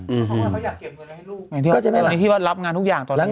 เขาว่าเขาอยากเก็บเงินอะไรให้ลูกก็จะไม่หลังที่ว่ารับงานทุกอย่างตอนนี้